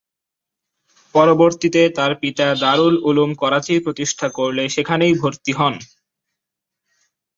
পরবর্তীতে তার পিতা দারুল উলুম করাচি প্রতিষ্ঠা করলে সেখানেই ভর্তি হন।